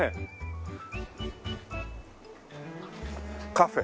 カフェ。